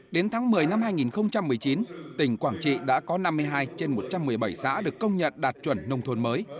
đến tháng một mươi năm hai nghìn một mươi chín tỉnh quảng trị đã có năm mươi hai trên một trăm một mươi bảy xã được công nhận đạt chuẩn nông thôn mới